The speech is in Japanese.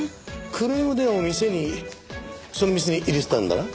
クレーム電話も店にその店に入れてたんだな？